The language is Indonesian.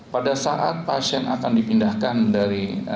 pada saat pasien akan dipindahkan dari